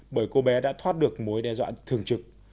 bởi cô bé đã thoát được mối đe dọa thường trực